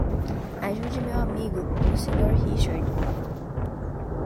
Ajude meu amigo, o Sr. Richard.